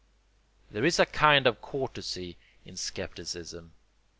There is a kind of courtesy in scepticism.